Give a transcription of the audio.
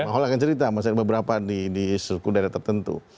bang holil akan cerita masalah beberapa di suku daerah tertentu